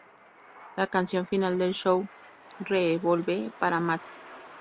La canción final del show, "R-Evolve", para Matt.